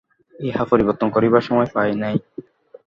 উহা পরিবর্তন করিবার সময় পায় নাই।